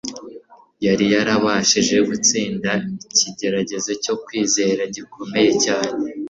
yari yarabashije gutsinda ikigeragezo cyo kwizera gikomeye cyane